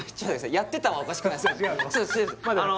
「やってた」はおかしくないっすか違うの？